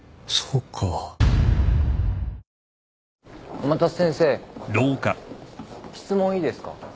天達先生質問いいですか？